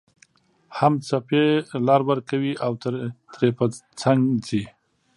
هم څپې لار ورکوي او ترې په څنګ ځي